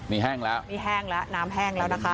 นี่แห้งแล้วนี่แห้งแล้วน้ำแห้งแล้วนะคะ